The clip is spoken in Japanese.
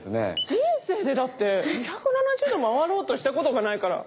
人生でだって２７０度回ろうとしたことがないから。